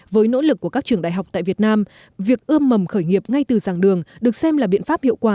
với nỗ lực của các trường đại học tại việt nam việc ươm mầm khởi nghiệp ngay từ dàng đường được xem là biện pháp hiệu quả